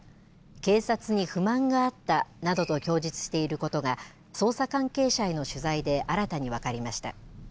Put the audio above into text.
警察に不満があったなどと供述していることが捜査関係者への取材で新たに分かりました。